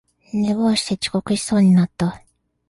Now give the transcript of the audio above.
寝坊して遅刻しそうになった